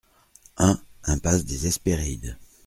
un impasse des Hesperides